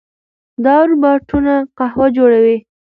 دا روباټونه قهوه جوړوي.